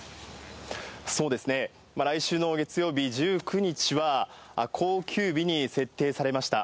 来週の月曜日１９日は、公休日に設定されました。